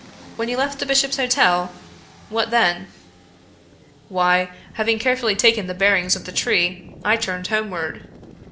When you left the Bishop's Hotel, what then ?"" Why, having carefully taken the bearings of the tree, I turned homeward.